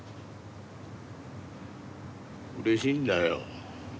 うれしいんだよ。